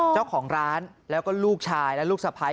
เจ้าของร้านแล้วก็ลูกชายและลูกสะพ้าย